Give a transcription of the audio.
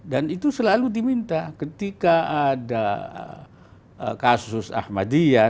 dan itu selalu diminta ketika ada kasus ahmadiyah